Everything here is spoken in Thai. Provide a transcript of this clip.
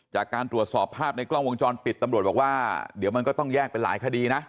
จากการตรวจสอบภาพในกล้องวงจรปิดตำรวจบอกว่าเดี๋ยวมันก็ต้องแยกเป็นหลายคดีนะ